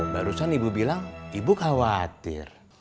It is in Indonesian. barusan ibu bilang ibu khawatir